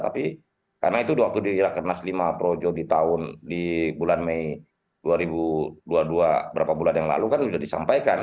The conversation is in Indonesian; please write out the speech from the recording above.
tapi karena itu waktu di rakernas lima projo di tahun di bulan mei dua ribu dua puluh dua berapa bulan yang lalu kan sudah disampaikan